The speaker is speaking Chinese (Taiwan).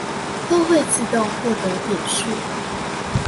都會自動獲得點數